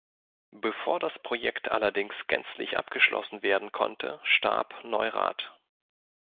Bevor das Projekt allerdings gänzlich abgeschlossen werden konnte, starb Neurath.